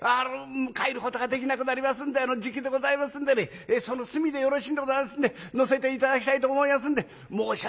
帰ることができなくなりますんでじきでございますんでねその隅でよろしいんでございますんで乗せて頂きたいと思いますんで申し訳ございません！